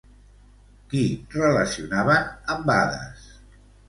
Qui relacionaven amb Hades?